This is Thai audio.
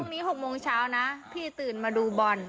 นี้๖โมงเช้านะพี่ตื่นมาดูบอล